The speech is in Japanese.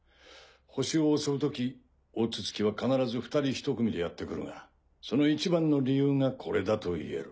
星を襲うとき大筒木は必ず２人１組でやってくるがそのいちばんの理由がこれだと言える。